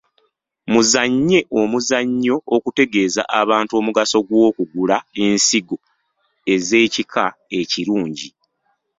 Muzannye omuzannyo okutegeeza abantu omugaso gw’okugula ensigo ez’ekika ekirungi.